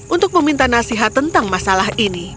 untuk meminta nasihat tentang masalah ini